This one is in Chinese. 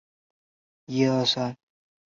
国军全面动员救灾